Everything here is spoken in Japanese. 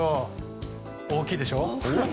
大きいでしょ？